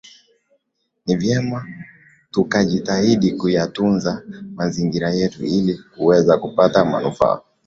Ni vyema tukajitahidi kuyatunza mazingira yetu ili kuweza kupata manufaa